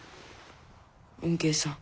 吽慶さん